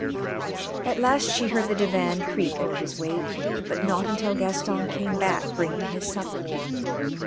At last she heard the divan creak under his weight, but not until Gaston came back bringing his supper.